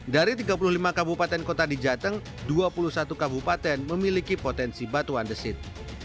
dari tiga puluh lima kabupaten kota di jateng dua puluh satu kabupaten memiliki potensi batuan desit